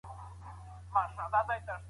میلمانه څنګه غونډي ته راځي؟